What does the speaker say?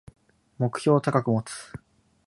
目標を高く持つ